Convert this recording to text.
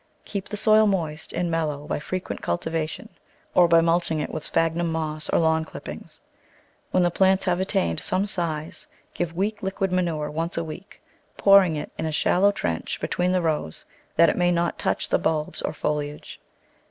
Keep the soil moist and mellow by frequent cultivation, or by mulching it with sphagnum moss or lawn clippings. When the plants have attained some size give weak liquid manure once a week, pouring it in a shallow trench between the rows, that it may not touch the bulbs or foliage.